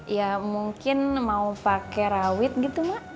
ya mungkin mau pakai rawit gitu mbak